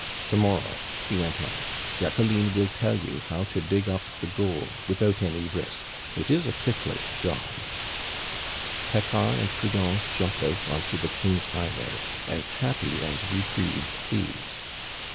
"To morrow," he went on, "Jacqueline will tell you how to dig up the gold without any risk. It is a ticklish job " Paccard and Prudence jumped out on to the King's highway, as happy as reprieved thieves.